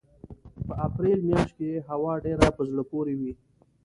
په اپرېل مياشت کې یې هوا ډېره په زړه پورې وي.